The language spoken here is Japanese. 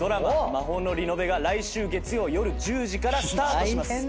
『魔法のリノベ』が来週月曜夜１０時からスタートします。